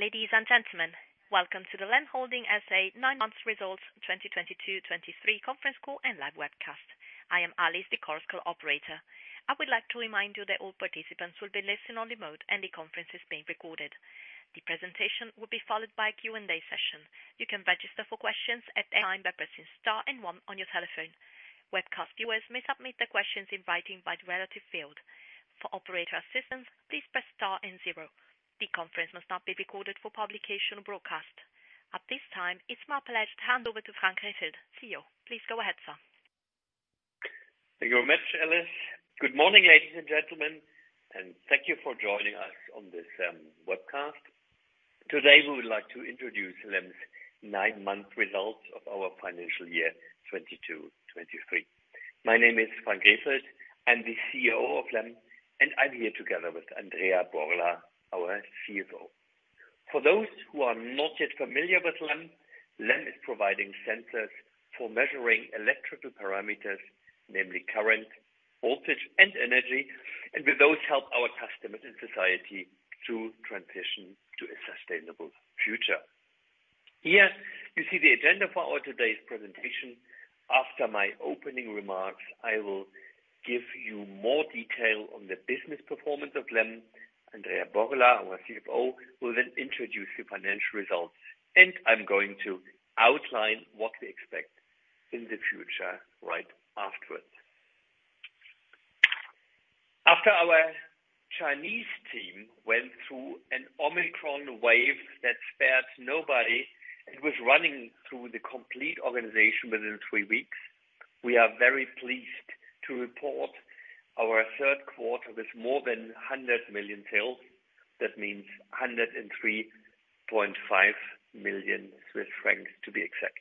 Ladies and gentlemen, welcome to the LEM Holding SA nine months results 2022, 2023 conference call and live webcast. I am Alice, the conference call operator. I would like to remind you that all participants will be listen-only mode and the conference is being recorded. The presentation will be followed by a Q&A session. You can register for questions at any time by pressing star and one on your telephone. Webcast viewers may submit their questions in writing by the relative field. For operator assistance, please press star and zero. The conference must not be recorded for publication or broadcast. At this time, it's my pleasure to hand over to Frank Rehfeld, CEO. Please go ahead, sir. Thank you very much, Alice. Good morning, ladies and gentlemen, and thank you for joining us on this webcast. Today, we would like to introduce LEM's 9-month results of our financial year 2022, 2023. My name is Frank Rehfeld. I'm the CEO of LEM, and I'm here together with Andrea Borla, our CFO. For those who are not yet familiar with LEM is providing sensors for measuring electrical parameters, namely current, voltage, and energy, and with those, help our customers and society to transition to a sustainable future. Here you see the agenda for today's presentation. After my opening remarks, I will give you more detail on the business performance of LEM. Andrea Borla, our CFO, will then introduce the financial results, and I'm going to outline what we expect in the future right afterwards. After our Chinese team went through an Omicron wave that spared nobody and was running through the complete organization within three weeks, we are very pleased to report our third quarter with more than 100 million sales. That means 103.5 million Swiss francs, to be exact.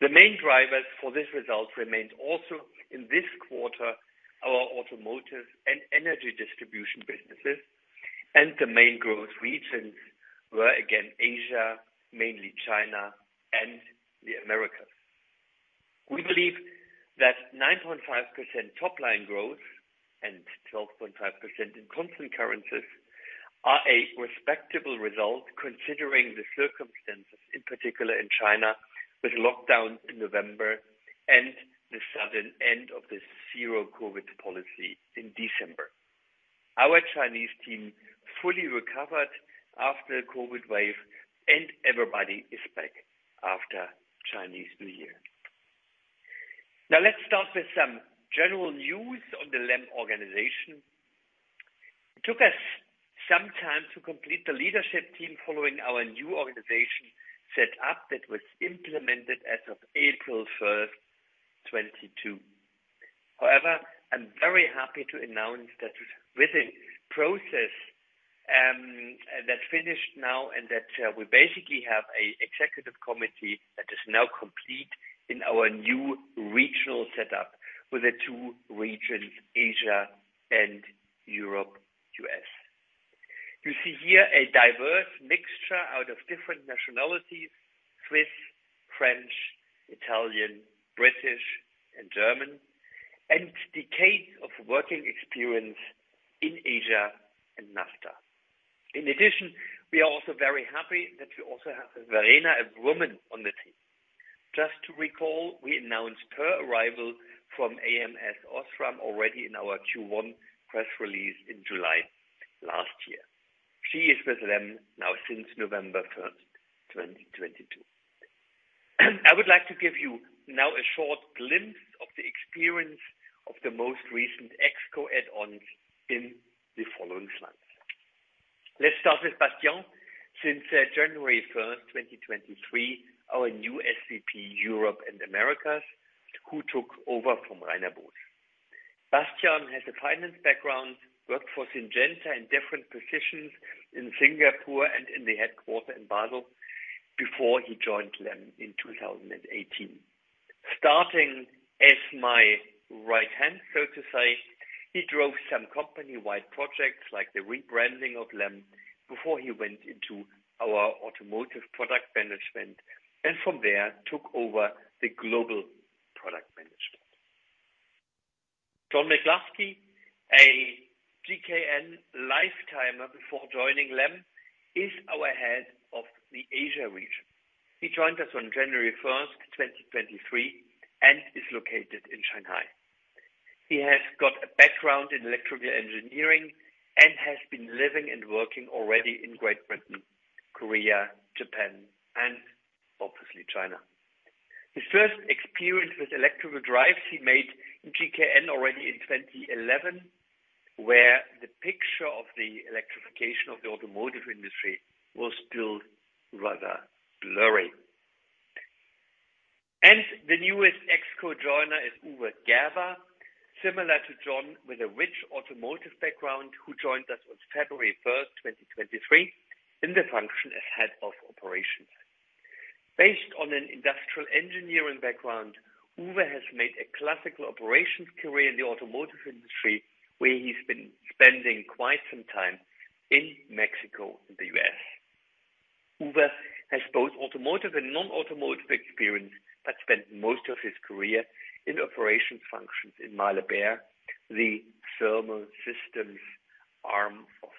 The main drivers for this result remained also in this quarter, our automotive and energy distribution businesses. The main growth regions were, again, Asia, mainly China and the Americas. We believe that 9.5% top line growth and 12.5% in constant currencies are a respectable result considering the circumstances, in particular in China, with lockdown in November and the sudden end of the zero COVID policy in December. Our Chinese team fully recovered after the COVID wave, and everybody is back after Chinese New Year. Let's start with some general news on the LEM organization. It took us some time to complete the leadership team following our new organization setup that was implemented as of April 1st, 2022. I'm very happy to announce that with a process that finished now and that we basically have a Executive Committee that is now complete in our new regional setup with the two regions, Asia and Europe, U.S. You see here a diverse mixture out of different nationalities Swiss, French, Italian, British and German, and decades of working experience in Asia and NAFTA. We are also very happy that we also have Verena, a woman, on the team. Just to recall, we announced her arrival from ams OSRAM already in our Q1 press release in July last year. She is with LEM now since November 1st, 2022. I would like to give you now a short glimpse of the experience of the most recent ExCo add-ons in the following slides. Let's start with Bastian. Since January 1, 2023, our new SVP, Europe and Americas, who took over from Rainer Buedenbender. Bastian has a finance background, worked for Syngenta in different positions in Singapore and in the headquarter in Basel before he joined LEM in 2018. Starting as my right hand, so to say, he drove some company-wide projects like the rebranding of LEM before he went into our automotive product management and from there took over the global product management. John McLuskie, a GKN lifetimer before joining LEM, is our head of the Asia region. He joined us on January 1, 2023, and is located in Shanghai. He has got a background in electrical engineering and has been living and working already in Great Britain, Korea, Japan and obviously China. His first experience with electrical drives he made in GKN already in 2011, where the picture of the electrification of the automotive industry was still rather blurry. The newest ExCo joiner is Uwe Gerber, similar to John, with a rich automotive background, who joined us on February first, 2023, in the function as head of operations. Based on an industrial engineering background, Uwe has made a classical operations career in the automotive industry, where he's been spending quite some time in Mexico and the U.S. Uwe has both automotive and non-automotive experience, but spent most of his career in operations functions in Mahle Behr, the thermal systems arm of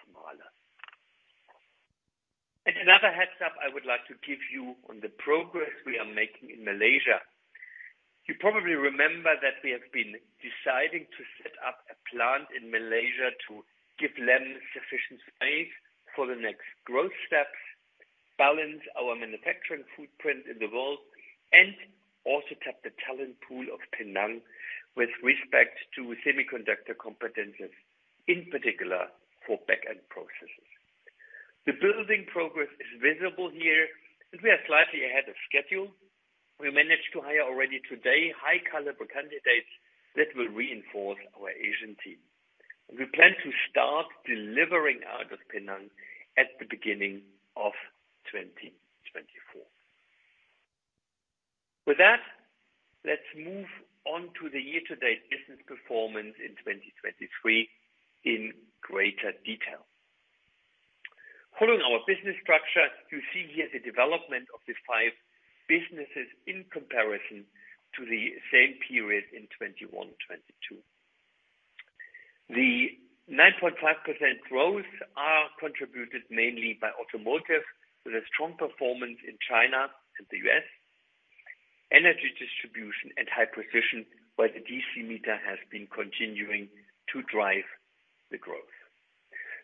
Mahle. Another heads up I would like to give you on the progress we are making in Malaysia. You probably remember that we have been deciding to set up a plant in Malaysia to give them sufficient space for the next growth steps, balance our manufacturing footprint in the world, and also tap the talent pool of Penang with respect to semiconductor competencies, in particular for back-end processes. The building progress is visible here, and we are slightly ahead of schedule. We managed to hire already today high caliber candidates that will reinforce our Asian team. We plan to start delivering out of Penang at the beginning of 2024. With that, let's move on to the year-to-date business performance in 2023 in greater detail. Following our business structure, you see here the development of the 5 businesses in comparison to the same period in 2021, 2022. The 9.5% growth are contributed mainly by automotive with a strong performance in China and the U.S. Energy distribution and high precision, where the DC meter has been continuing to drive the growth.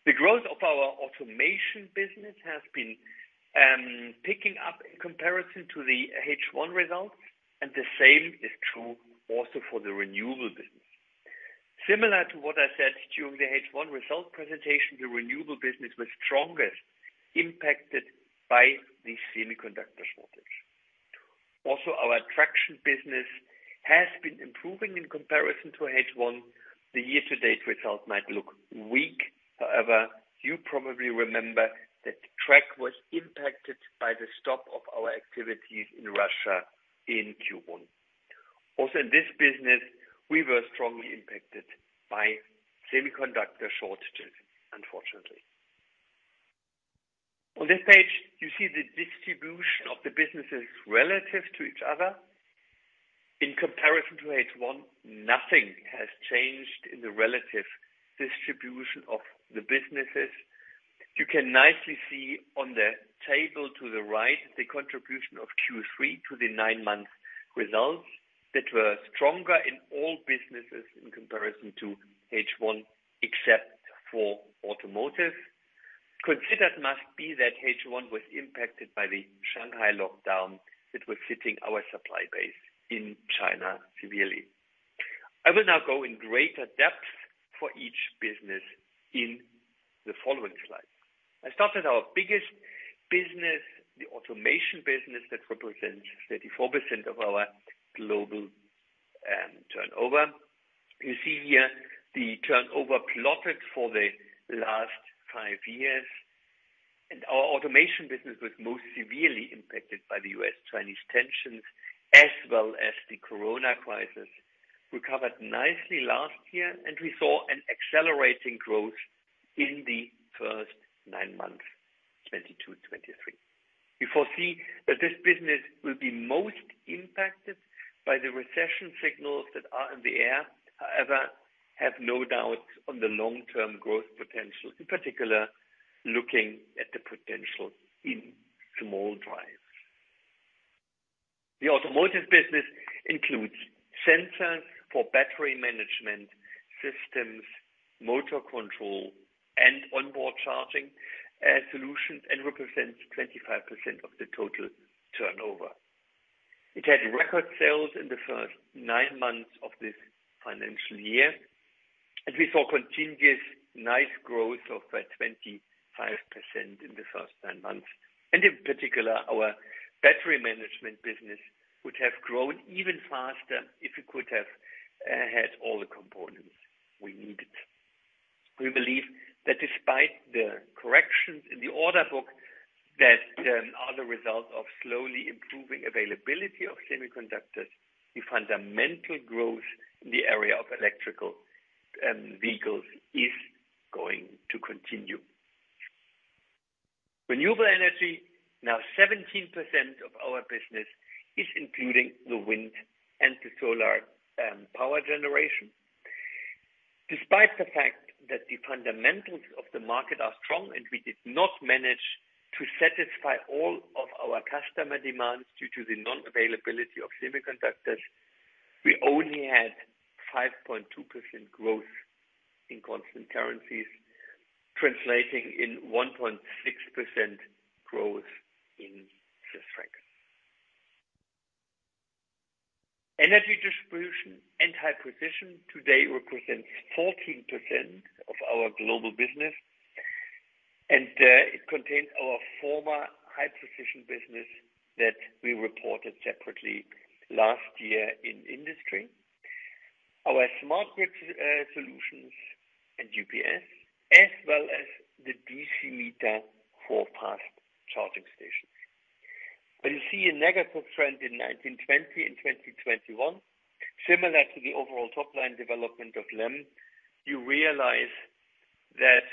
The growth of our automation business has been picking up in comparison to the H1 results, and the same is true also for the renewable business. Similar to what I said during the H1 result presentation, the renewable business was strongest impacted by the semiconductor shortage. Our traction business has been improving in comparison to H1. The year-to-date result might look weak. You probably remember that track was impacted by the stop of our activities in Russia in Q1. In this business, we were strongly impacted by semiconductor shortages, unfortunately. On this page, you see the distribution of the businesses relative to each other. In comparison to H1, nothing has changed in the relative distribution of the businesses. You can nicely see on the table to the right the contribution of Q3 to the 9-month results that were stronger in all businesses in comparison to H1, except for automotive. Considered must be that H1 was impacted by the Shanghai lockdown that was hitting our supply base in China severely. I will now go in greater depth for each business in the following slides. I start at our biggest business, the automation business, that represents 34% of our global turnover. You see here the turnover plotted for the last 5 years. Our automation business was most severely impacted by the U.S.-Chinese tensions as well as the corona crisis. Recovered nicely last year, and we saw an accelerating growth in the first 9 months, 2022-2023. We foresee that this business will be most impacted by the recession signals that are in the air. However, have no doubt on the long-term growth potential, in particular, looking at the potential in small drives. The automotive business includes sensors for battery management systems, motor control, and onboard charging as solutions and represents 25% of the total turnover. It had record sales in the first nine months of this financial year, and we saw continuous nice growth of 25% in the first nine months. In particular, our battery management business would have grown even faster if we could have had all the components we needed. We believe that despite the corrections in the order book that are the result of slowly improving availability of semiconductors, the fundamental growth in the area of electrical vehicles is going to continue. Renewable energy, now 17% of our business, is including the wind and the solar power generation. Despite the fact that the fundamentals of the market are strong and we did not manage to satisfy all of our customer demands due to the non-availability of semiconductors, we only had 5.2% growth in constant currencies, translating in 1.6% growth in CHF. Energy distribution and high precision today represents 14% of our global business. It contains our former high precision business that we reported separately last year in industry. Our smart grid solutions and UPS, as well as the DC meter for fast charging stations. You see a negative trend in 1920 and 2021. Similar to the overall top-line development of LEM, you realize that.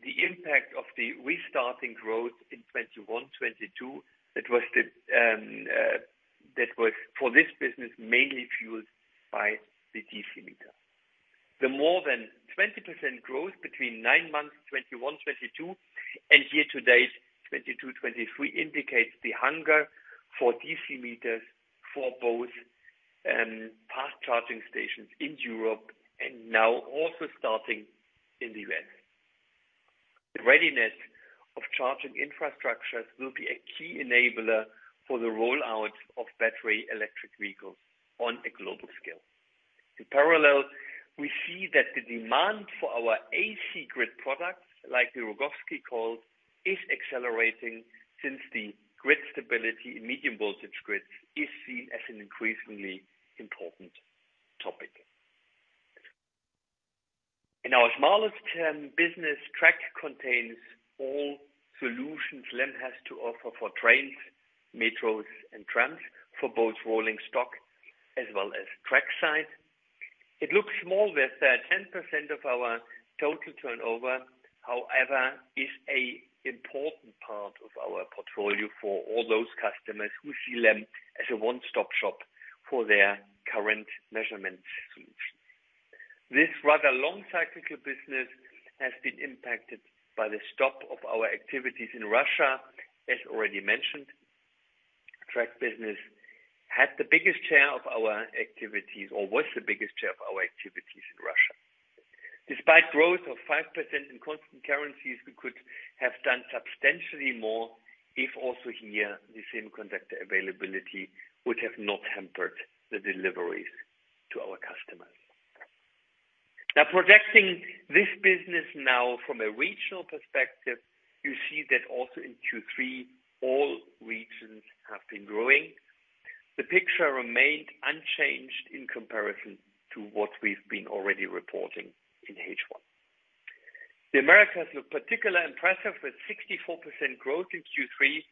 The impact of the restarting growth in 2021, 2022, that was for this business, mainly fueled by the DC meter. The more than 20% growth between 9 months, 2021, 2022, and year to date, 2022, 2023, indicates the hunger for DC meters for both fast charging stations in Europe and now also starting in the U.S. The readiness of charging infrastructures will be a key enabler for the rollout of battery electric vehicles on a global scale. In parallel, we see that the demand for our AC grid products, like the Rogowski coil, is accelerating since the grid stability in medium voltage grids is seen as an increasingly important topic. In our smallest term business track contains all solutions LEM has to offer for trains, metros, and trams, for both rolling stock as well as trackside. It looks small with 10% of our total turnover, however, is an important part of our portfolio for all those customers who see LEM as a one-stop shop for their current measurement solution. This rather long cyclical business has been impacted by the stop of our activities in Russia as already mentioned. Track business had the biggest share of our activities or was the biggest share of our activities in Russia. Despite growth of 5% in constant currencies, we could have done substantially more if also here the same conductor availability would have not hampered the deliveries to our customers. Now projecting this business now from a regional perspective, you see that also in Q3, all regions have been growing. The picture remained unchanged in comparison to what we've been already reporting in H1. The Americas look particularly impressive with 64% growth in Q3,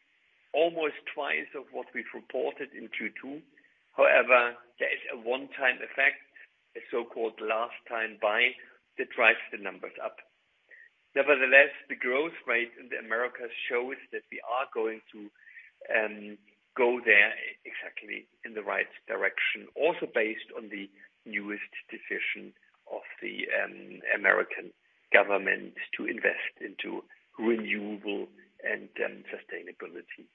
almost twice of what we've reported in Q2. There is a one-time effect, a so-called last time buy, that drives the numbers up. The growth rate in the Americas shows that we are going to go there exactly in the right direction, also based on the newest decision of the American government to invest into renewable and sustainability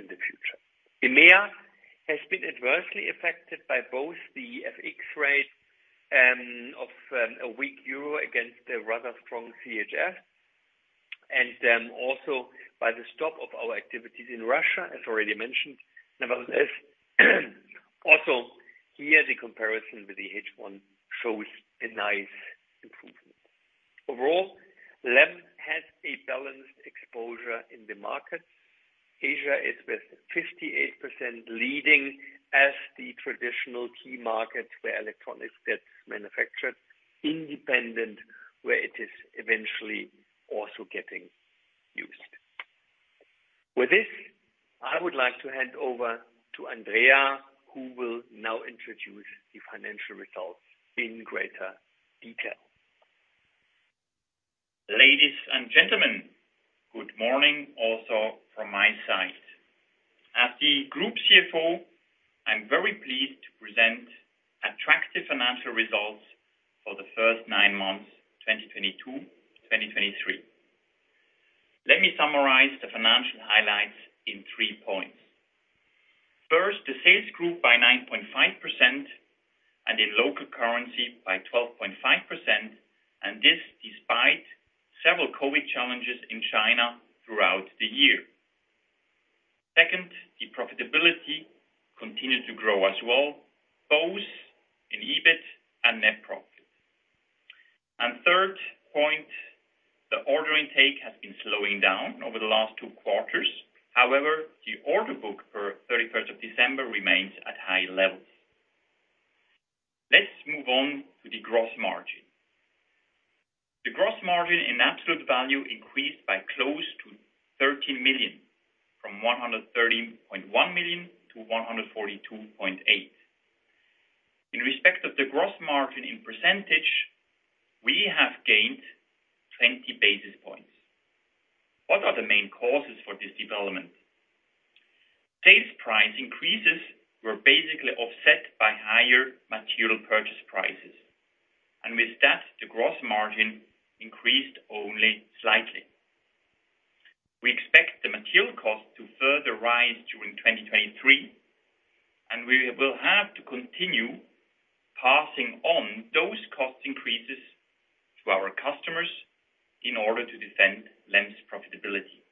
in the future. EMEA has been adversely affected by both the FX rate of a weak euro against the rather strong CHF, and also by the stop of our activities in Russia, as already mentioned. Also here the comparison with the H1 shows a nice improvement. LEM has a balanced exposure in the markets. Asia is with 58% leading as the traditional key market where electronics gets manufactured independent, where it is eventually also getting used. With this, I would like to hand over to Andrea, who will now introduce the financial results in greater detail. Ladies and gentlemen, good morning also from my side. As the group CFO, I'm very pleased to present attractive financial results for the first nine months, 2022, 2023. Let me summarize the financial highlights in three points. First, the sales grew by 9.5%, in local currency by 12.5%, this despite several COVID challenges in China throughout the year. Second, the profitability continued to grow as well, both in EBIT and net profit. Third point, the order intake has been slowing down over the last two quarters. However, the order book for 31st of December remains at high levels. Let's move on to the gross margin. The gross margin in absolute value increased by close to 13 million, from 113.1 million to 142.8 million. In respect of the gross margin in percentage, we have gained 20 basis points. What are the main causes for this development? Sales price increases were basically offset by higher material purchase prices. With that, the gross margin increased only slightly. We expect the material cost to further rise during 2023, and we will have to continue passing on those cost increases to our customers in order to defend LEM's profitability.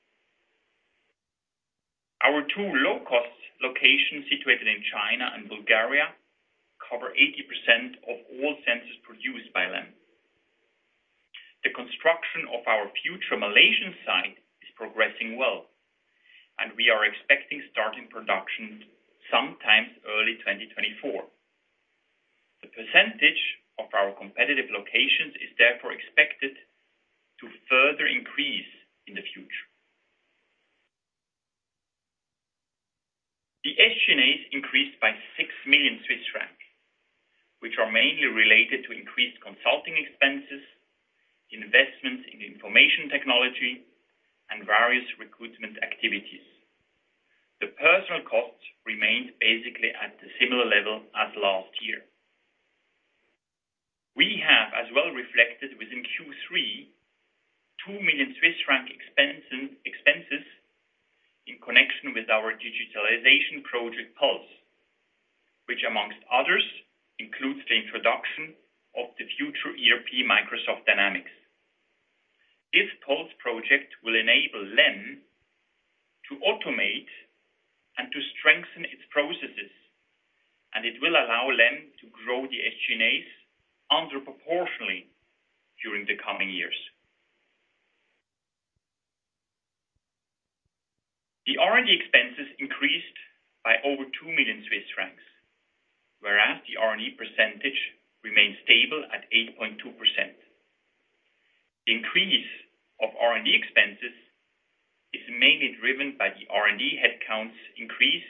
Our two low-cost locations situated in China and Bulgaria cover 80% of all sensors produced by LEM. The construction of our future Malaysian site is progressing well, and we are expecting starting production sometime early 2024. The percentage of our competitive locations is therefore expected to further increase in the future. The SG&As increased by 6 million Swiss francs, which are mainly related to increased consulting expenses, investments in information technology and various recruitment activities. The personal costs remained basically at the similar level as last year. We have as well reflected within Q3, 2 million Swiss franc expenses in connection with our digitalization project Pulse, which amongst others, includes the introduction of the future ERP Microsoft Dynamics. This Pulse project will enable LEM to automate and to strengthen its processes, it will allow LEM to grow the SG&As under proportionally during the coming years. The R&D expenses increased by over 2 million Swiss francs, whereas the R&D percentage remained stable at 8.2%. The increase of R&D expenses is mainly driven by the R&D headcounts increase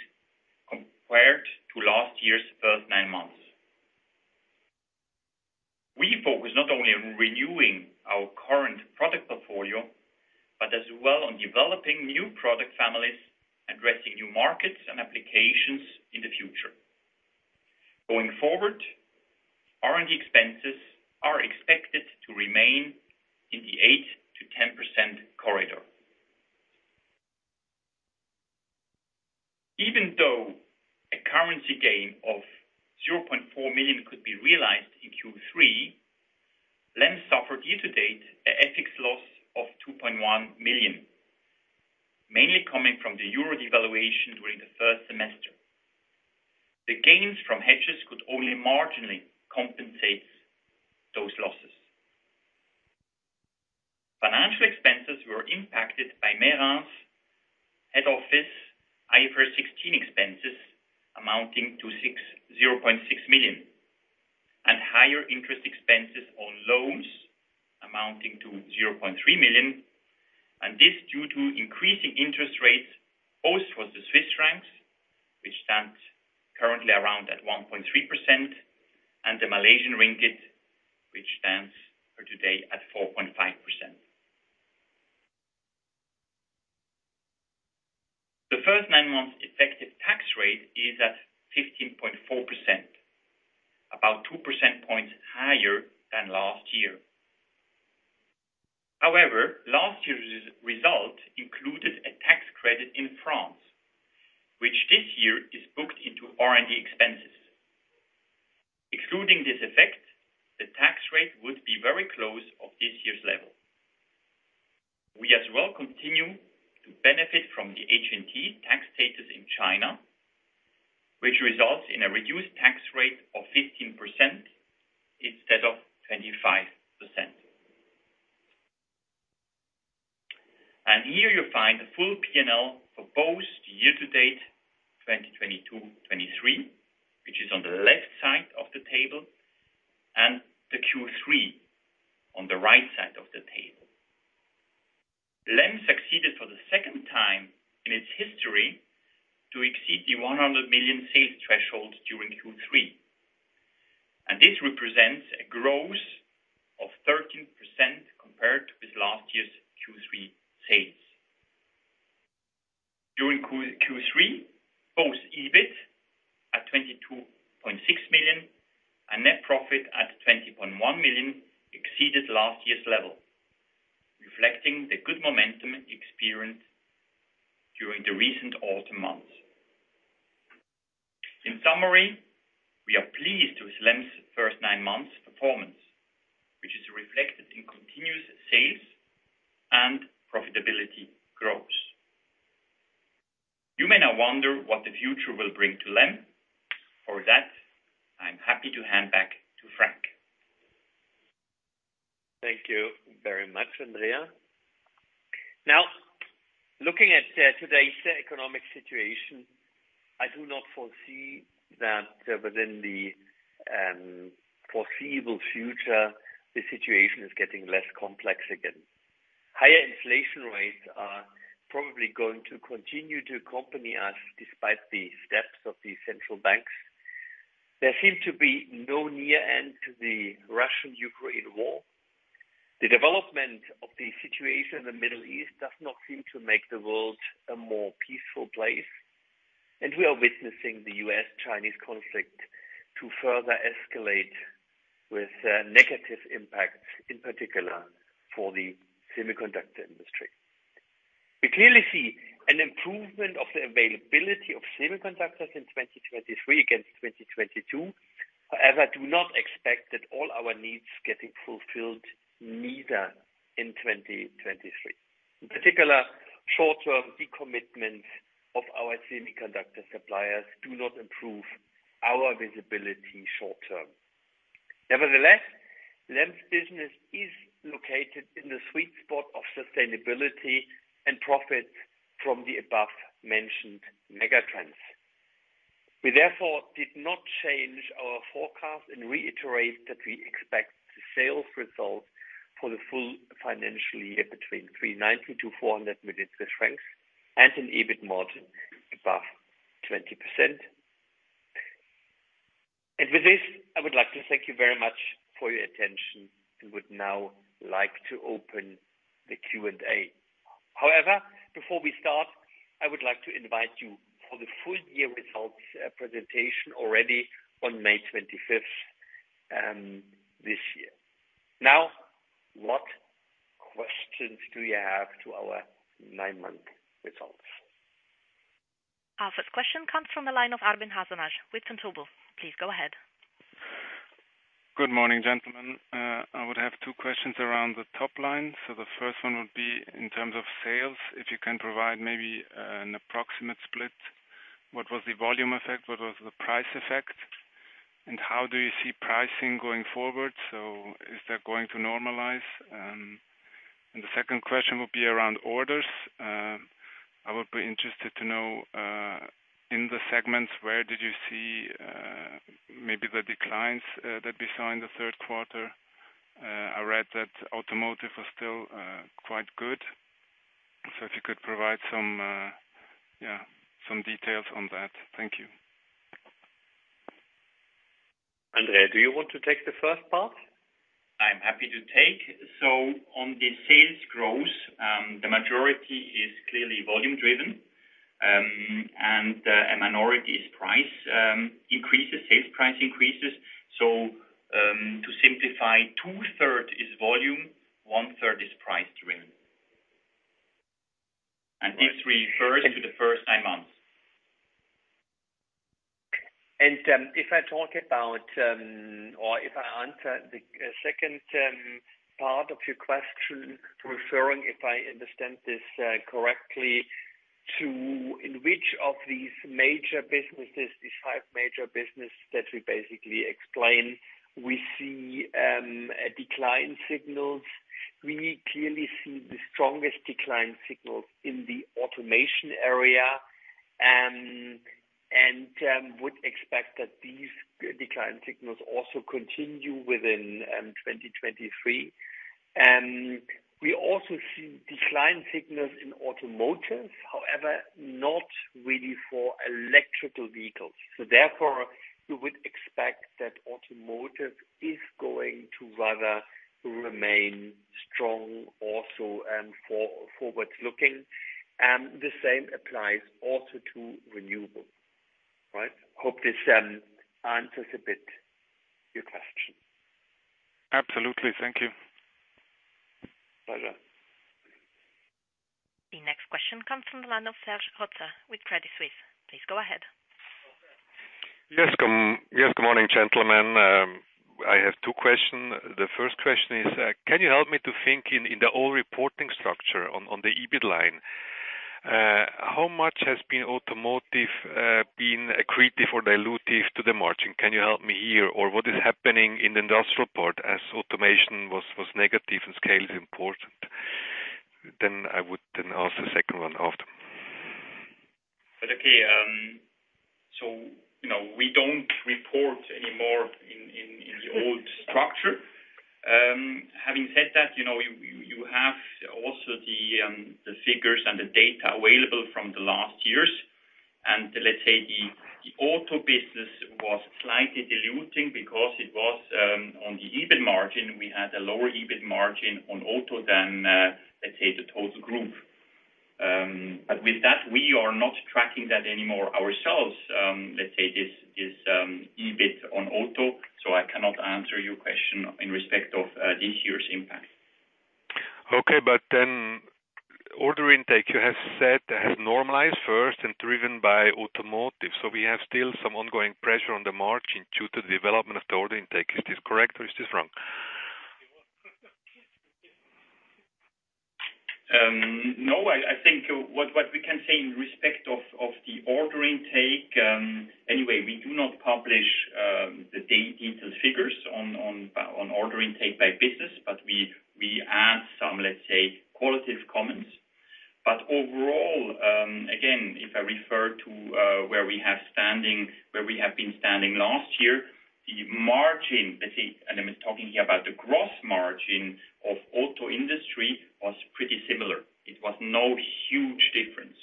compared to last year's first nine months. We focus not only on renewing our current product portfolio, but as well on developing new product families, addressing new markets and applications in the future. Going forward, R&D expenses are expected to remain in the 8%-10% corridor. Even though a currency gain of 0.4 million could be realized in Q3, LEM suffered year-to-date a FX loss of 2.1 million, mainly coming from the Euro devaluation during the first semester. The gains from hedges could only marginally compensate those losses. Financial expenses were impacted by Meyrin's head office IFRS 16 expenses amounting to 0.6 million, and higher interest expenses on loans amounting to 0.3 million. This due to increasing interest rates, both for the Swiss francs, which stands currently around at 1.3%, and the Malaysian Ringgit, which stands for today at 4.5%. The first nine months effective tax rate is at 15.4%, about 2 percent points higher than last year. However, last year's result included a tax credit in France, which this year is booked into R&D expenses. Excluding this effect, the tax rate would be very close of this year's level. We as well continue to benefit from the HNTE tax status in China, which results in a reduced tax rate of 15% instead of 25%. Here you'll find the full P&L for both year to date 2022, 2023, which is on the left side of the table, and the Q3 on the right side of the table. LEM succeeded for the second time in its history to exceed the 100 million sales threshold during Q3, and this represents a growth of 13% compared with last year's Q3 sales. During Q3, both EBIT at 22.6 million and net profit at 20.1 million exceeded last year's level, reflecting the good momentum experienced during the recent autumn months. In summary, we are pleased with LEM's first nine months performance, which is reflected in continuous sales and profitability growth. You may now wonder what the future will bring to LEM. For that, I'm happy to hand back to Frank. Thank you very much, Andrea. Looking at today's economic situation, I do not foresee that within the foreseeable future the situation is getting less complex again. Higher inflation rates are probably going to continue to accompany us despite the steps of the central banks. There seem to be no near end to the Russian-Ukraine war. The development of the situation in the Middle East does not seem to make the world a more peaceful place, and we are witnessing the U.S.-Chinese conflict to further escalate with negative impacts, in particular for the semiconductor industry. We clearly see an improvement of the availability of semiconductors in 2023 against 2022. However, I do not expect that all our needs getting fulfilled neither in 2023. In particular, short-term decommitments of our semiconductor suppliers do not improve our visibility short term. Nevertheless, LEM's business is located in the sweet spot of sustainability and profit from the above-mentioned megatrends. We therefore did not change our forecast and reiterate that we expect the sales results for the full financial year between 390 million-400 million Swiss francs and an EBIT margin above 20%. With this, I would like to thank you very much for your attention and would now like to open the Q&A. Before we start, I would like to invite you for the full year results presentation already on May 25th this year. What questions do you have to our nine-month results? Our first question comes from the line of Armin Heuberger with Vontobel. Please go ahead. Good morning, gentlemen. I would have 2 questions around the top line. The first one would be in terms of sales, if you can provide maybe an approximate split, what was the volume effect, what was the price effect, and how do you see pricing going forward? Is that going to normalize? The second question would be around orders. I would be interested to know, in the segments, where did you see, maybe the declines, that we saw in Q3? I read that automotive was still quite good. If you could provide some details on that. Thank you. Andre, do you want to take the first part? I'm happy to take. On the sales growth, the majority is clearly volume driven, and a minority is price increases, sales price increases. To simplify, two-third is volume, one-third is price driven. This refers to the first nine months. If I talk about, or if I answer the second part of your question, referring, if I understand this correctly, to in which of these major businesses, these five major business that we basically explain, we see a decline signals. We clearly see the strongest decline signals in the automation area, and would expect that these decline signals also continue within 2023. We also see decline signals in automotive, however, not really for electrical vehicles. Therefore, you would expect that automotive is going to rather remain strong also, forward-looking. The same applies also to renewable. Right? Hope this answers a bit your question. Absolutely. Thank you. Pleasure. The next question comes from the line of Serge Rotzer with Credit Suisse. Please go ahead. Yes, good morning, gentlemen. I have 2 question. The first question is, can you help me to think in the old reporting structure on the EBIT line, how much has been automotive been accretive or dilutive to the margin? Can you help me here? What is happening in the industrial part as automation was negative and scale is important. I would then ask the second one after. We don't report anymore in the old structure. Having said that, you have also the figures and the data available from the last years. Let's say the auto business was slightly diluting because it was on the EBIT margin. We had a lower EBIT margin on auto than, let's say the total group. With that, we are not tracking that anymore ourselves. Let's say this is EBIT on auto, so I cannot answer your question in respect of this year's impact. Order intake, you have said, has normalized first and driven by automotive. We have still some ongoing pressure on the margin due to the development of the order intake. Is this correct or is this wrong? No, I think what we can say in respect of the order intake, anyway, we do not publish the detailed figures on order intake by business, but we add some, let's say, qualitative comments. Overall, again, if I refer to where we have standing, where we have been standing last year, the margin, let's say, and I'm talking here about the gross margin of auto industry was pretty similar. It was no huge difference.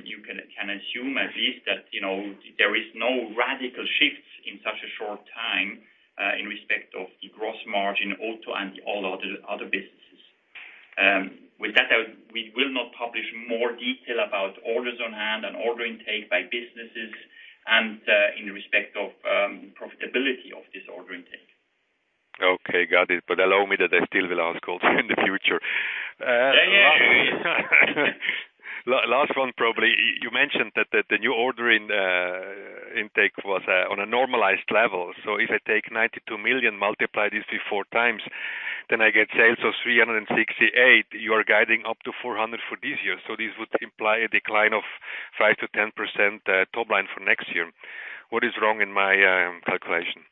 You can assume at least that, there is no radical shifts in such a short time in respect of the gross margin auto and all other businesses. With that out, we will not publish more detail about orders on hand and order intake by businesses and, in respect of, profitability of this order intake. Okay, got it. Allow me that I still will ask also in the future. Yeah, yeah. Last one, probably. You mentioned that the new order in intake was on a normalized level. If I take 92 million, multiply this 3, 4 times, I get sales of 368 million. You are guiding up to 400 million for this year. This would imply a decline of 5%-10% top line for next year. What is wrong in my calculation?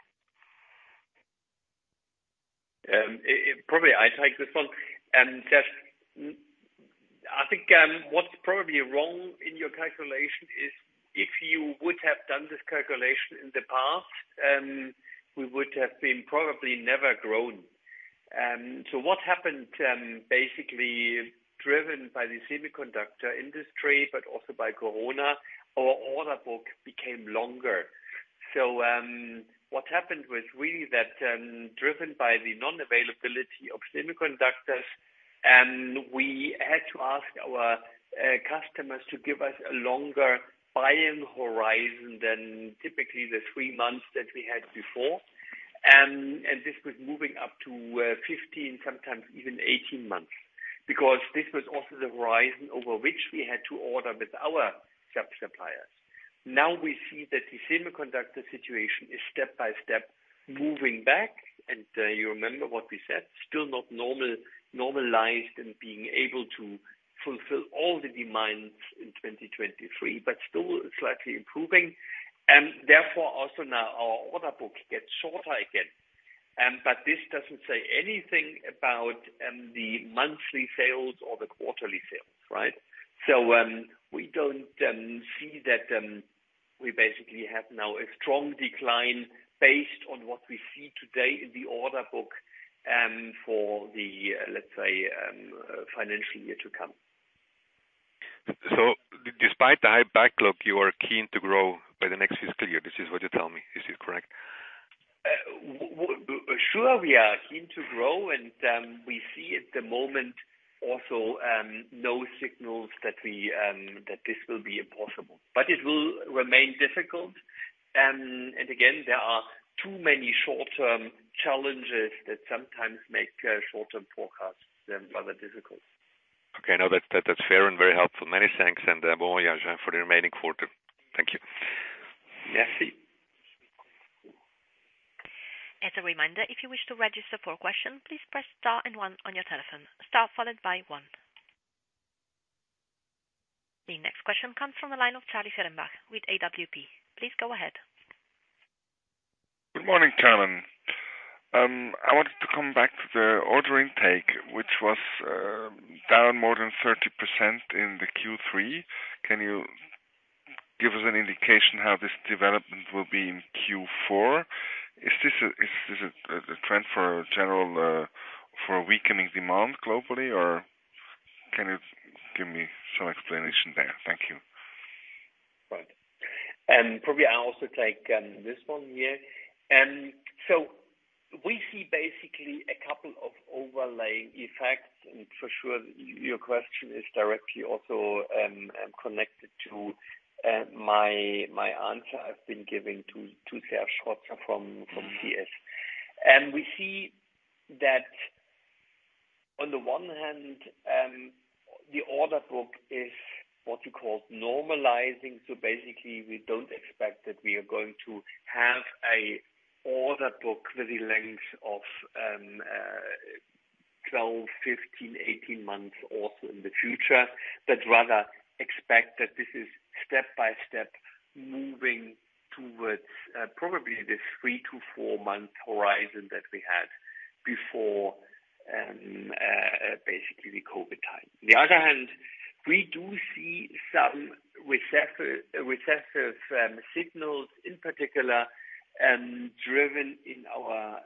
Probably I take this one. I think, what's probably wrong in your calculation is if you would have done this calculation in the past, we would have been probably never grown. What happened, basically driven by the semiconductor industry but also by Corona, our order book became longer. What happened was really that, driven by the non-availability of semiconductors, and we had to ask our customers to give us a longer buying horizon than typically the three months that we had before. This was moving up to 15, sometimes even 18 months, because this was also the horizon over which we had to order with our sub-suppliers. Now we see that the semiconductor situation is step-by-step moving back. You remember what we said, still not normalized and being able to fulfill all the demands in 2023, but still slightly improving and therefore also now our order book gets shorter again. This doesn't say anything about the monthly sales or the quarterly sales, We don't see that we basically have now a strong decline based on what we see today in the order book for the, let's say, financial year to come. Despite the high backlog, you are keen to grow by the next fiscal year. This is what you're telling me. Is this correct? Sure, we are keen to grow. We see at the moment also, no signals that we, that this will be impossible, but it will remain difficult. Again, there are too many short-term challenges that sometimes make short-term forecasts, rather difficult. Okay. Now that's fair and very helpful. Many thanks. Bon voyage for the remaining quarter. Thank you. Merci. As a reminder, if you wish to register for a question, please press star and one on your telephone. Star followed by one. The next question comes from the line of Charlie Fehrenbach with AWP. Please go ahead. Good morning, gentlemen. I wanted to come back to the order intake, which was down more than 30% in the Q3. Can you give us an indication how this development will be in Q4? Is this the trend for general, for weakening demand globally, or can you give me some explanation there? Thank you. Right. Probably I also take this one here. We see basically a couple of overlaying effects. For sure your question is directly also connected to my answer I've been giving to Serge Rotzer from CS. We see that on the one hand, the order book is what you call normalizing. Basically we don't expect that we are going to have a order book with a length of 12, 15, 18 months also in the future. Rather expect that this is step-by-step moving towards probably the 3-4 month horizon that we had before basically the COVID time. On the other hand, we do see some recessive signals in particular, driven in our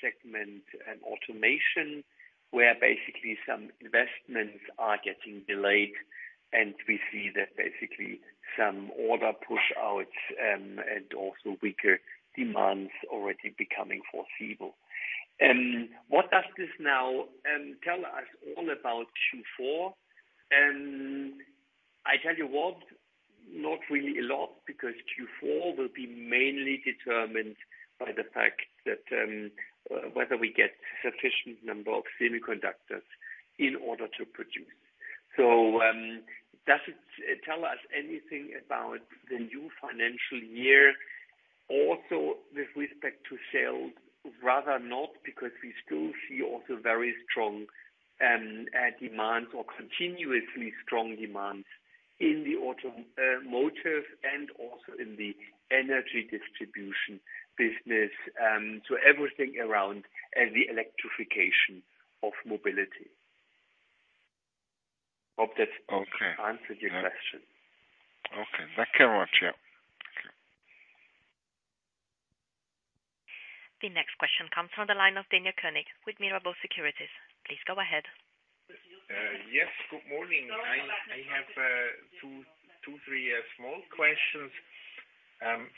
segment, automation, where basically some investments are getting delayed and we see that basically some order push outs and also weaker demands already becoming foreseeable. What does this now tell us all about Q4? I tell you what, not really a lot because Q4 will be mainly determined by the fact that whether we get sufficient number of semiconductors in order to produce. Does it tell us anything about the new financial year also with respect to sales? Rather not, because we still see also very strong demands or continuously strong demands in the automotive and also in the energy distribution business, so everything around the electrification of mobility. Okay. Answered your question. Okay. Thank you very much. Yeah. Okay. The next question comes from the line of Daniel Koenig with Mirabaud Securities. Please go ahead. Good morning. I have 2, 3 small questions.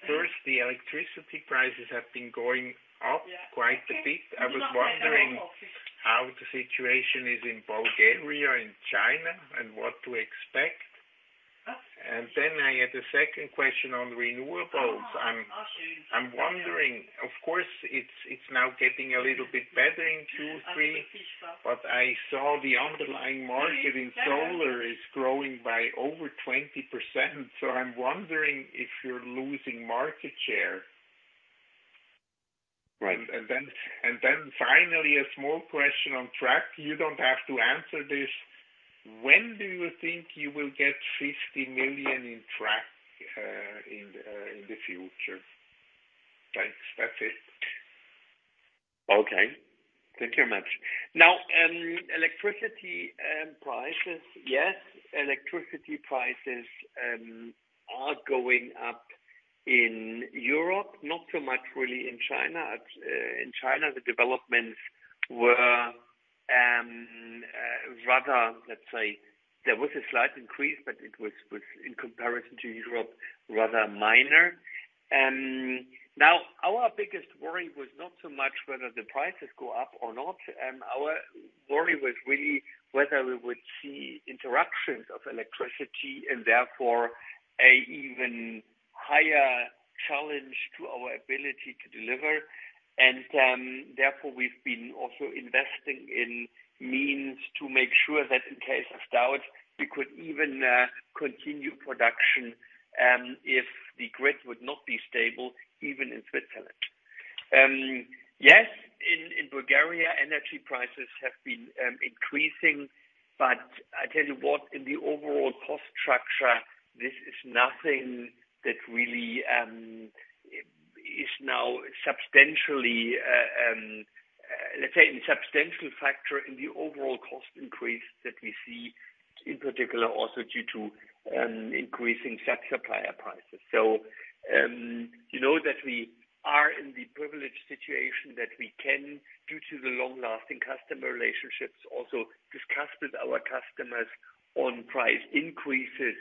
First, the electricity prices have been going up quite a bit. I was wondering how the situation is in Bulgaria and China and what to expect. I had a second question on renewables. I'm wondering, of course it's now getting a little bit better in Q3, but I saw the underlying market in solar is growing by over 20%. I'm wondering if you're losing market share. Right. Finally, a small question on track. You don't have to answer this. When do you think you will get 50 million in track, in the future? Thanks. That's it. Okay. Thank you very much. Now, electricity prices. Yes, electricity prices are going up in Europe, not so much really in China. In China, the developments were rather, let's say there was a slight increase, but it was in comparison to Europe, rather minor. Now our biggest worry was not so much whether the prices go up or not, our worry was really whether we would see interruptions of electricity and therefore an even higher challenge to our ability to deliver. Therefore, we've been also investing in means to make sure that in case of doubt, we could even continue production if the grid would not be stable, even in Switzerland. Yes, in Bulgaria, energy prices have been increasing. I tell you what, in the overall cost structure, this is nothing that really is now substantially, let's say in substantial factor in the overall cost increase that we see in particular also due to increasing set supplier prices. You know that we are in the privileged situation that we can, due to the long-lasting customer relationships, also discuss with our customers on price increases,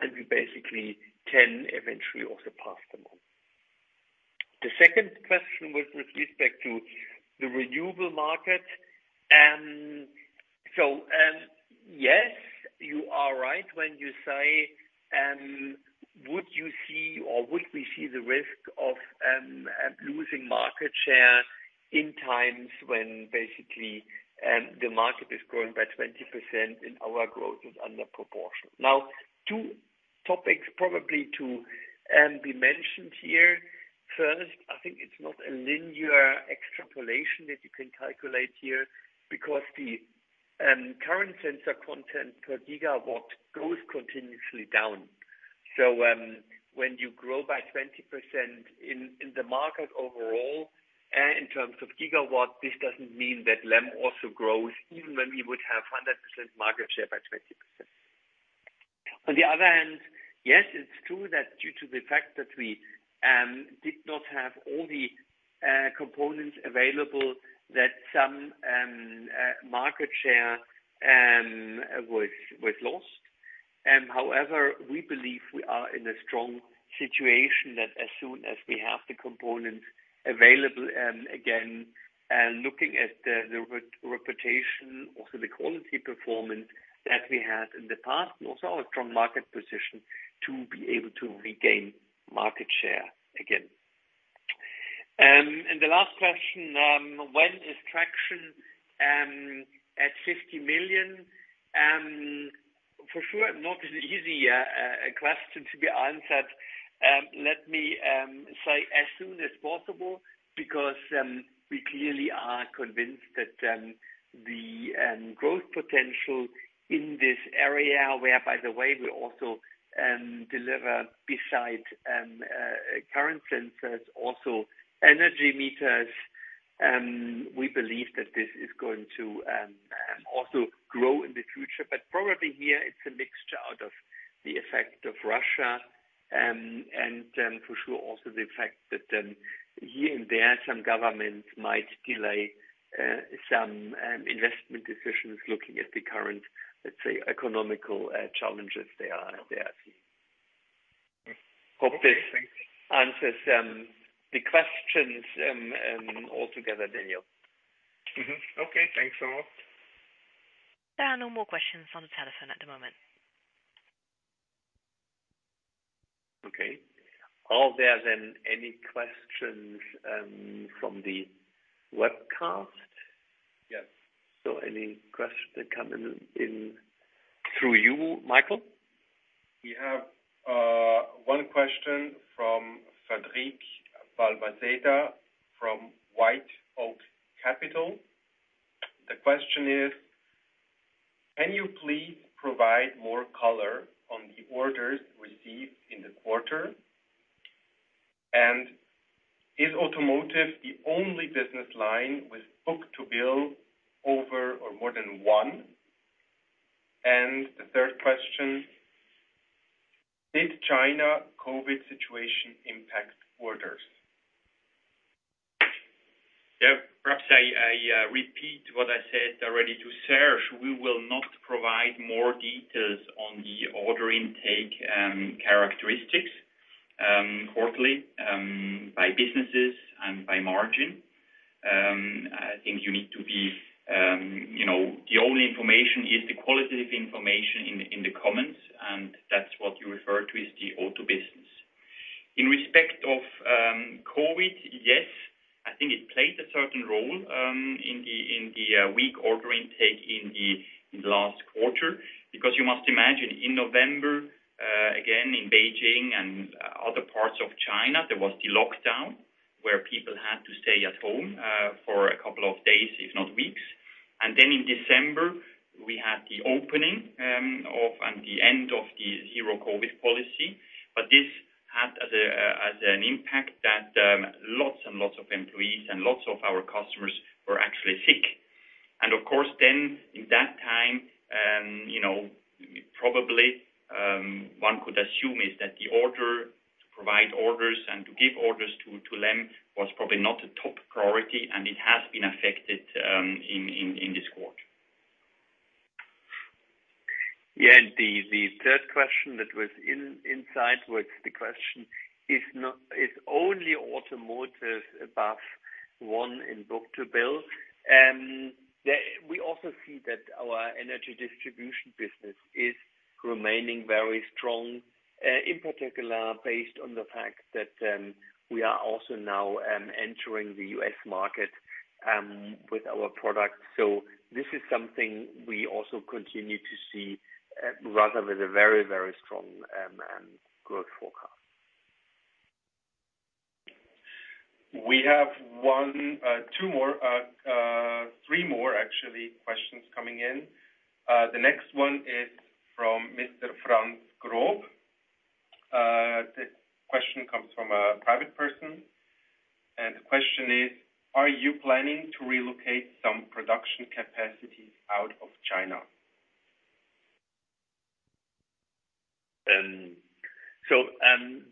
and we basically can eventually also pass them on. The second question was with respect to the renewable market. Yes, you are right when you say, would you see or would we see the risk of losing market share in times when basically the market is growing by 20% and our growth is under proportion. Two topics probably to be mentioned here. First, I think it's not a linear extrapolation that you can calculate here because the current sensor content per gigawatt goes continuously down. When you grow by 20% in the market overall, in terms of gigawatt, this doesn't mean that LEM also grows, even when we would have 100% market share by 20%. On the other hand, yes, it's true that due to the fact that we did not have all the components available, that some market share was lost. We believe we are in a strong situation that as soon as we have the components available again, looking at the re-reputation, also the quality performance that we had in the past and also our strong market position to be able to regain market share again. The last question, when is traction at 50 million? For sure, not an easy question to be answered. Let me say as soon as possible, because we clearly are convinced that the growth potential in this area, where, by the way, we also deliver beside current sensors, also energy meters, we believe that this is going to also grow in the future. Probably here it's a mixture out of the effect of Russia, and for sure, also the fact that here and there, some governments might delay some investment decisions looking at the current, let's say, economical challenges they are seeing. Hope this answers, the questions, altogether, Daniel. Okay. Thanks a lot. There are no more questions on the telephone at the moment. Okay. Are there any questions from the webcast? Yes. Any questions that come in through you, Michael? We have one question from Frederique Balmaseda from White Oak Capital. The question is: Can you please provide more color on the orders received in the quarter? Is automotive the only business line with book-to-bill over or more than one? The third question: Did China COVID situation impact orders? Perhaps I repeat what I said already to Serge. We will not provide more details on the order intake, characteristics, quarterly, by businesses and by margin. I think you need to be, the only information is the qualitative information in the comments, and that's what you refer to as the auto business. In respect of COVID, yes, I think it played a certain role in the weak order intake in the last quarter, because you must imagine in November. Again, in Beijing and other parts of China, there was the lockdown where people had to stay at home for a couple of days, if not weeks. Then in December, we had the opening of and the end of the zero-COVID policy. This had as an impact that lots and lots of employees and lots of our customers were actually sick. Of course then in that time, probably one could assume is that the order to provide orders and to give orders to LEM was probably not a top priority, and it has been affected in this quarter. Yeah. The third question that was inside was the question, is only automotive above 1 in book-to-bill? We also see that our energy distribution business is remaining very strong, in particular based on the fact that we are also now entering the U.S. market with our products. This is something we also continue to see rather with a very strong growth forecast. We have 1, 2 more, 3 more actually questions coming in. The next one is from Mr. Frank Grueb. The question comes from a private person, and the question is: Are you planning to relocate some production capacities out of China?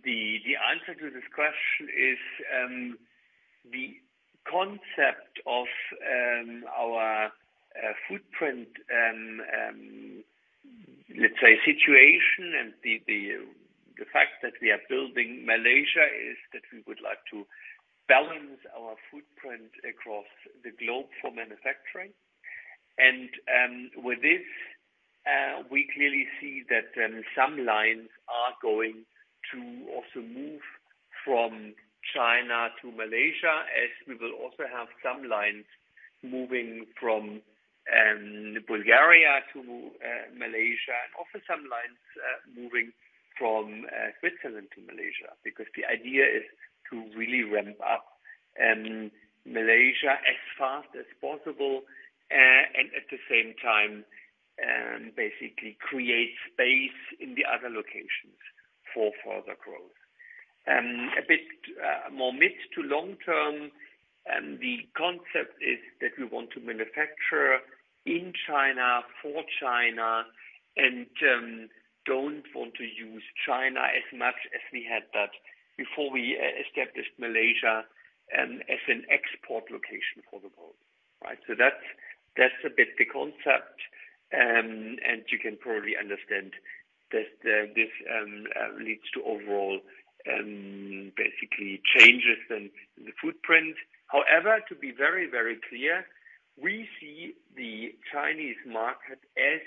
The answer to this question is the concept of our footprint, let's say situation and the fact that we are building Malaysia is that we would like to balance our footprint across the globe for manufacturing. With this, we clearly see that some lines are going to also move from China to Malaysia, as we will also have some lines moving from Bulgaria to Malaysia, and also some lines moving from Switzerland to Malaysia. The idea is to really ramp up Malaysia as fast as possible, and at the same time, basically create space in the other locations for further growth. A bit more mid to long term, the concept is that we want to manufacture in China for China and don't want to use China as much as we had that before we established Malaysia as an export location for the world, right? That's a bit the concept. You can probably understand that this leads to overall basically changes in the footprint. However, to be very, very clear, we see the Chinese market as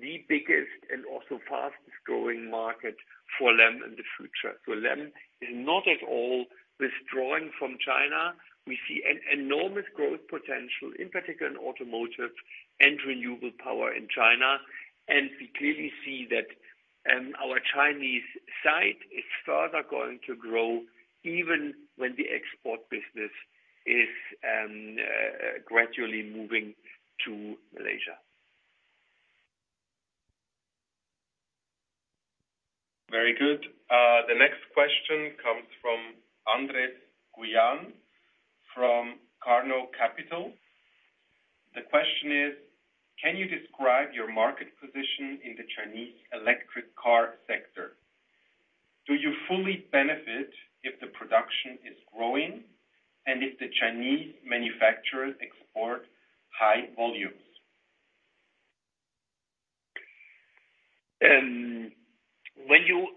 the biggest and also fastest-growing market for LEM in the future. LEM is not at all withdrawing from China. We see an enormous growth potential, in particular in automotive and renewable power in China. We clearly see that our Chinese site is further going to grow even when the export business is gradually moving to Malaysia. Very good. The next question comes from Andreas Gujan from Carnot Capital. The question is: Can you describe your market position in the Chinese electric car sector? Do you fully benefit if the production is growing and if the Chinese manufacturers export high volumes? When you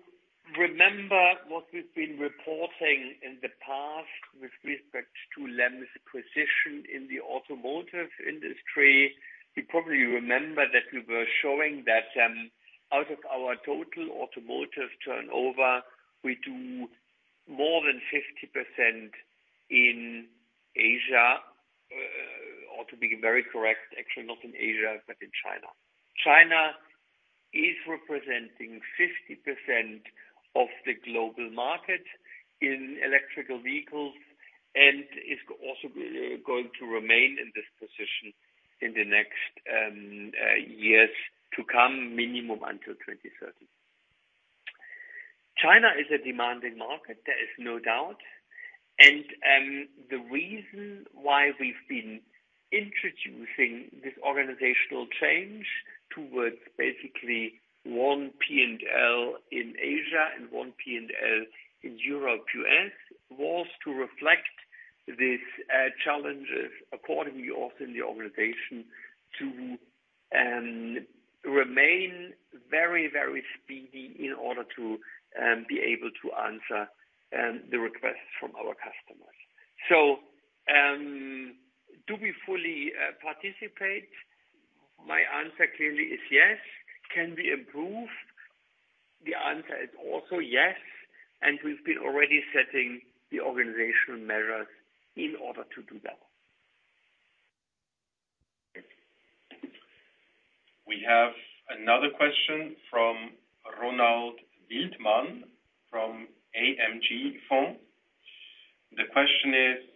remember what we've been reporting in the past with respect to LEM's position in the automotive industry, you probably remember that we were showing that, out of our total automotive turnover, we do more than 50% in Asia. Or to be very correct, actually not in Asia, but in China. China is representing 50% of the global market in electrical vehicles and is also going to remain in this position in the next years to come, minimum until 2030. China is a demanding market, there is no doubt. The reason why we've been introducing this organizational change towards basically one P&L in Asia and one P&L in Europe, U.S., was to reflect these challenges accordingly, also in the organization, to remain very, very speedy in order to be able to answer the requests from our customers. Do we fully participate? My answer clearly is yes. Can we improve? The answer is also yes, and we've been already setting the organizational measures in order to do that. We have another question from Ronald Wildman from AMG Fund. The question is,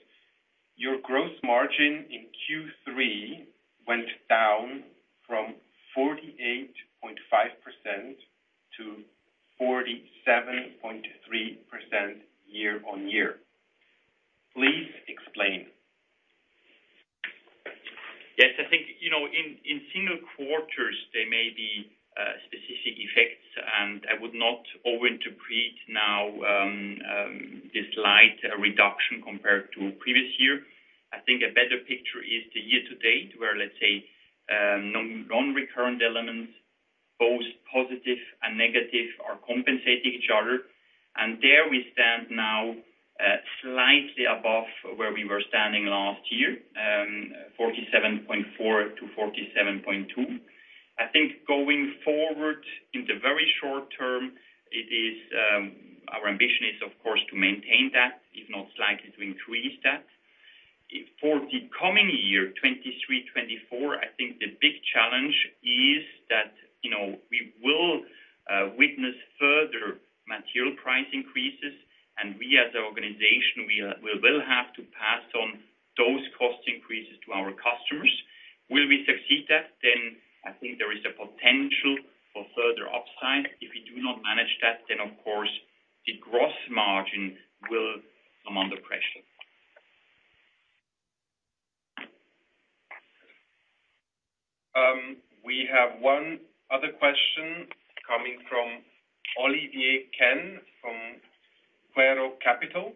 your gross margin in Q3 went down from 48.5% to 47.3% year-on-year. Please explain? Yes. I think, in single quarters there may be specific effects, and I would not overinterpret now this light reduction compared to previous year. I think a better picture is the year to date, where let's say, non-recurrent elements, both positive and negative, are compensating each other. There we stand now at slightly above where we were standing last year, 47.4%-47.2%. I think going forward, in the very short term, our ambition is of course to maintain that, if not slightly to increase that. For the coming year, 2023, 2024, I think the big challenge is that, we will witness further material price increases and we as an organization, we will have to pass on those cost increases to our customers. Will we succeed that? I think there is a potential for further upside. If we do not manage that, then of course the gross margin will come under pressure. We have one other question coming from Olivier Ken from Kepler Cheuvreux.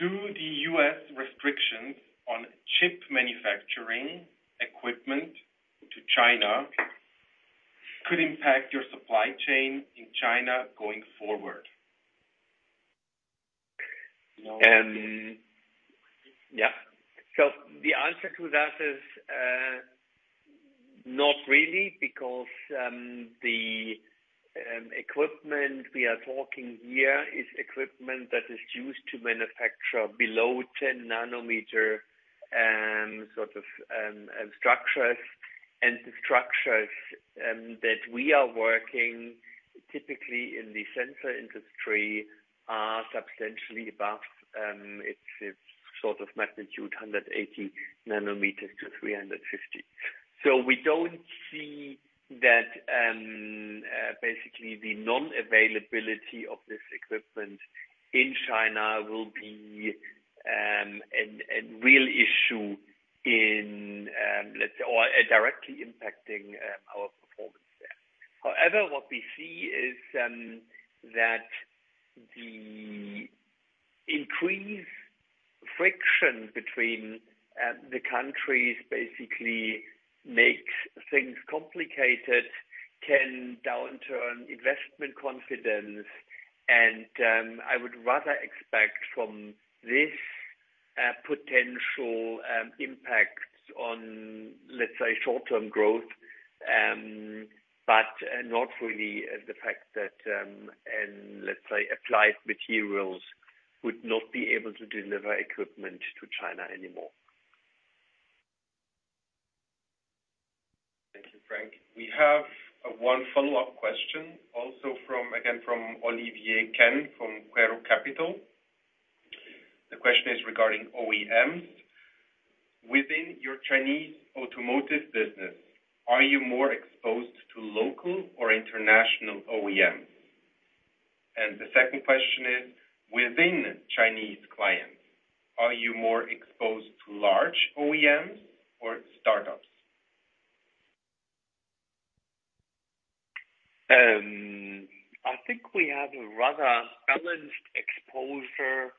Do the U.S. restrictions on chip manufacturing equipment to China could impact your supply chain in China going forward? The answer to that is not really because the equipment we are talking here is equipment that is used to manufacture below 10 nanometer sort of structures. The structures that we are working typically in the sensor industry are substantially above its sort of magnitude, 180 nanometers to 350. We don't see that basically the non-availability of this equipment in China will be a real issue in let's say or directly impacting our performance there. What we see is, that the increased friction between the countries basically makes things complicated, can downturn investment confidence, and I would rather expect from this potential impact on, let's say, short-term growth, but not really the fact that, let's say, Applied Materials would not be able to deliver equipment to China anymore. Thank you, Frank. We have one follow-up question also from, again, from Olivier Ken from Kepler Cheuvreux. The question is regarding OEMs. Within your Chinese automotive business, are you more exposed to local or international OEMs? The second question is, within Chinese clients, are you more exposed to large OEMs or startups? I think we have a rather balanced exposure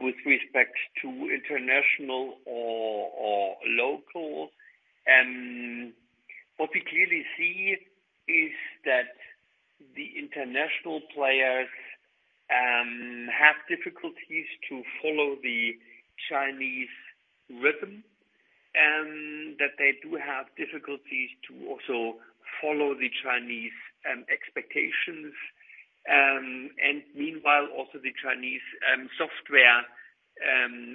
with respect to international or local. What we clearly see is that the international players have difficulties to follow the Chinese rhythm, that they do have difficulties to also follow the Chinese expectations. Meanwhile, also the Chinese software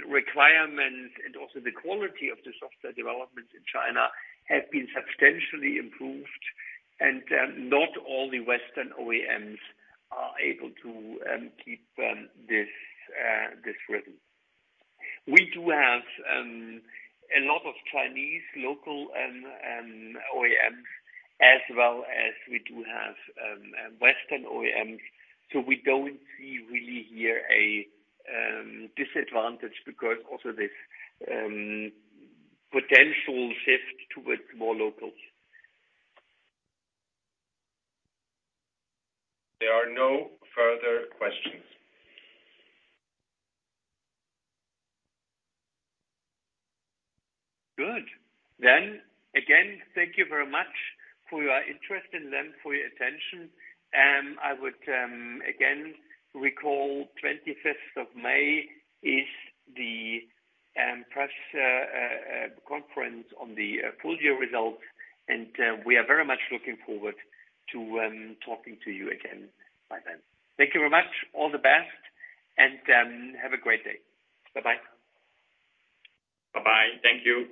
requirements and also the quality of the software development in China have been substantially improved, and not all the Western OEMs are able to keep this rhythm. We do have a lot of Chinese local OEMs as well as we do have Western OEMs. We don't see really here a disadvantage because also this potential shift towards more locals. There are no further questions. Good. Again, thank you very much for your interest and then for your attention. I would again recall 25th of May is the press conference on the full year results, and we are very much looking forward to talking to you again by then. Thank you very much. All the best, and have a great day. Bye-bye. Bye-bye. Thank you.